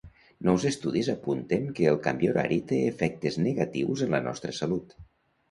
Nous estudis apunten que el canvi horari té efectes negatius en la nostra salut.